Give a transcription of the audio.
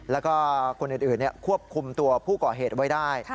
แล้วก็คนอื่นควบคุมตัวผู้ก่อเหตุไว้ได้